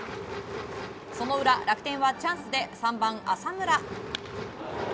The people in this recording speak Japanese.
その裏、楽天はチャンスで３番、浅村。